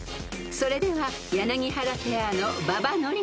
［それでは柳原ペアの馬場典子さん